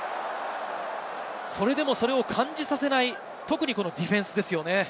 それでもそれを感じさせない、特にディフェンスですよね。